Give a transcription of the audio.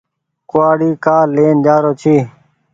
ڪوُوآڙي ڪآ لين جآرو ڇي۔